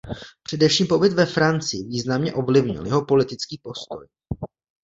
Především pobyt ve Francii významně ovlivnil jeho politický postoj.